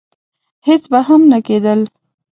هېڅ به هم نه کېدل.